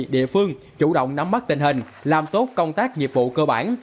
địa phương chủ động nắm mắt tình hình làm tốt công tác nhiệm vụ cơ bản